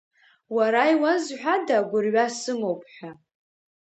Уара иуазҳәада агәырҩа сымоуп ҳәа?